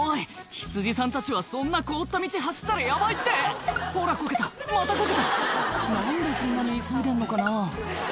羊さんたちはそんな凍った道走ったらヤバいってほらこけたまたこけた何でそんなに急いでんのかな？